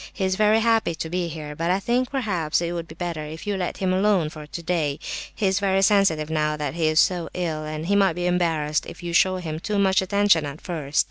He is very happy to be here; but I think perhaps it would be better if you let him alone for today,—he is very sensitive now that he is so ill—and he might be embarrassed if you show him too much attention at first.